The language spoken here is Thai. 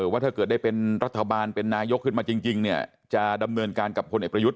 ว่าถ้าเกิดได้เป็นรัฐบาลเป็นนายกขึ้นมาจริงเนี่ยจะดำเนินการกับพลเอกประยุทธ์